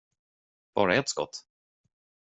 Bara ett skott?